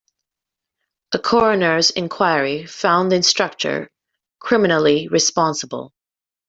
A coroners inquiry found the instructor criminally responsible.